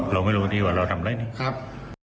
เราไม่รู้ดีว่าเราทำอะไรนะครับ